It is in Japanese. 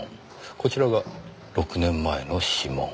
こちらが６年前の指紋。